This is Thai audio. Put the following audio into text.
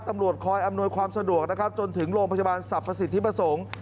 ตำรวจคอยอำนวยความสะดวกนะครับจนถึงโรงพยาบาลสรรพสิทธิประสงค์